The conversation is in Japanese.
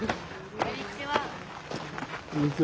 こんにちは。